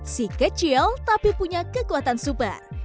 si kecil tapi punya kekuatan super